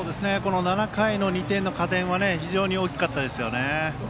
７回の２点の加点は非常に大きかったですね。